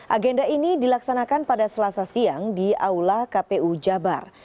agenda ini dilaksanakan pada selasa siang di aula kpu jabar